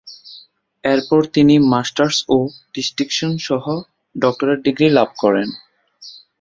এরপর তিনি মাস্টার্স ও ডিসটিঙ্কশন-সহ ডক্টরেট ডিগ্রী লাভ করেন।